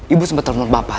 ibu sempet telur bapak